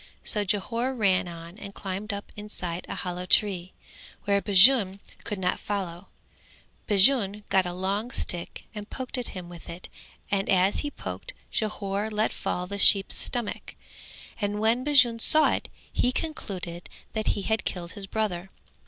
So Jhore ran on and climbed up inside a hollow tree, where Bajun could not follow, Bajun got a long stick and poked at him with it and as he poked, Jhore let fall the sheep's stomach, and when Bajun saw it he concluded that he had killed his brother.